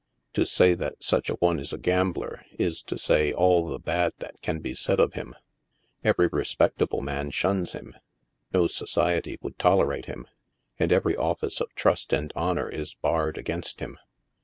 To say that such a one is a gambler, is to say all the bad that can be said of him ; every respectable man shuns him 5 no society would tole rate him, and every office of trust and honor is barred against him.